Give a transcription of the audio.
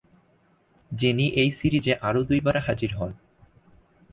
Jenny এই সিরিজে আরও দুইবার হাজির হন।